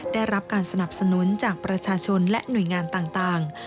ได้รับการสนับสนุนจากประชาชนและหน่วยงานต่าง